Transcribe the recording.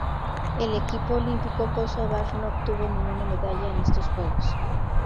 El equipo olímpico kosovar no obtuvo ninguna medalla en estos Juegos.